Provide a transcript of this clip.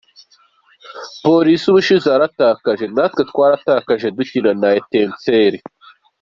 Police ubushize yaratakaje, natwe twaratakaje dukina na Etincelles.